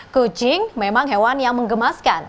kucing memang hewan yang mengemaskan